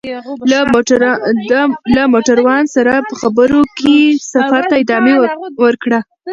له موټروان سره په خبرو کې سفر ته ادامه ورکړه.